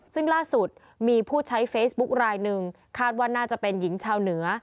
ซึ่งล่าสุดมีผู้ใช้เฟซบุ๊คลายหนึ่งคาดว่าน่าจะเป็นหญิงชาวเหนือ